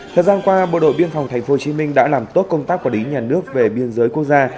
thời gian qua bộ đội biên phòng tp hcm đã làm tốt công tác quản lý nhà nước về biên giới quốc gia